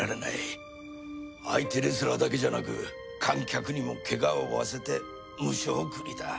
相手レスラーだけじゃなく観客にもケガを負わせてムショ送りだ。